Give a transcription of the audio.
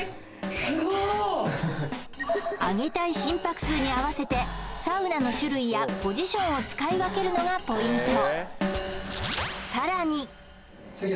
すごい上げたい心拍数に合わせてサウナの種類やポジションを使い分けるのがポイント